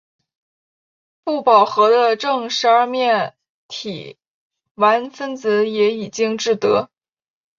不饱和的正十二面体烷分子也已经制得。